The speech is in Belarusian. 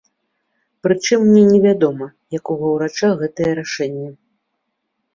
Пры чым мне не вядома якога ўрача гэта рашэнне.